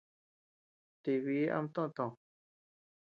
Ti biʼi ama toʼö too.